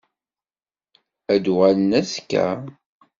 Ad d-uɣalen azekka?